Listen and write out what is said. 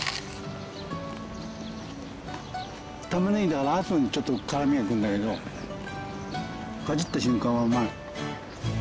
玉ねぎだからあとにちょっと辛みが来るんだけどかじった瞬間は甘い。